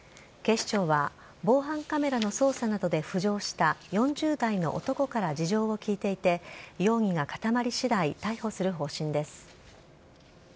警視庁は防犯カメラの捜査などで浮上した４０代の男から事情を聴いていて、容疑が固まりしだい、逮捕する方針です。